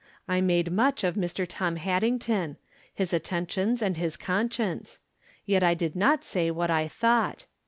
I made much of Mr. Tom Haddington; his attentions and his conscience ; yet I did not say what I thought.